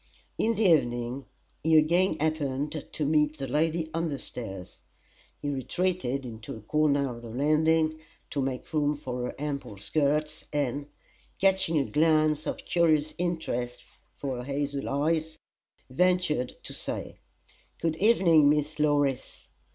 In the evening he again happened to meet the lady on the stairs. He retreated into a corner of the landing, to make room for her ample skirts, and, catching a glance of curious interest for her hazel eyes, ventured to say: "Good evening, Miss Law ris!"